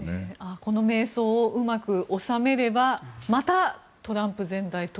この迷走をうまく収めればまた、トランプ前大統領が。